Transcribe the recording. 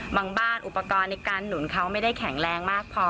บางบ้านอุปกรณ์ในการหนุนเขาไม่ได้แข็งแรงมากพอ